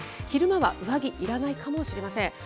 昼間は上着いらないかもしれません。